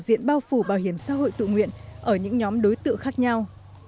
diện bao phủ bảo hiểm xã hội tự nguyện ở những nhóm đối tượng khác nhau